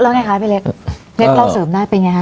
แล้วไงคะพี่เล็กพี่เล็กเล่าเสริมหน้าเป็นยังไงครับ